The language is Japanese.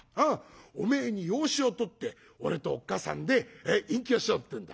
おめえに養子をとって俺とおっ母さんで隠居しようってんだ。